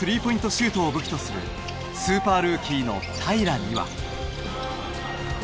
シュートを武器とするスーパールーキーの平良には。